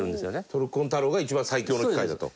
トルコン太郎が一番最強の機械だと。